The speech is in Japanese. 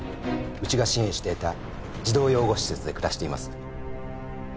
うちが支援していた児童養護施設で暮らしています。